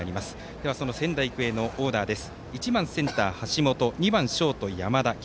では、仙台育英のオーダーです。